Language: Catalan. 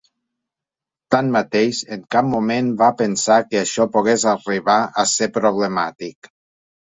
Tanmateix, en cap moment va pensar que això pogués arribar a ser problemàtic.